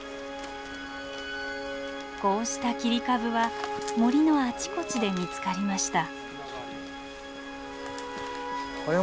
こうした切り株は森のあちこちで見つかりました。